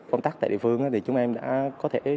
công tác tại địa phương thì chúng em đã có thể